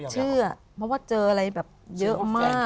เชื่อเพราะว่าเจออะไรแบบเยอะมาก